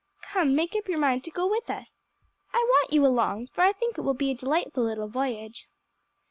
Come, make up your mind to go with us: I want you along, for I think it will be a delightful little voyage."